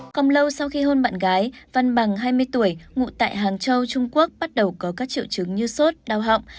còn lâu sau khi hơn bạn gái văn bằng hai mươi tuổi ngụ tại hàng châu trung quốc bắt đầu có các triệu chứng như sốt đau họng